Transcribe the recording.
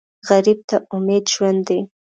غریب ته امید ژوند دی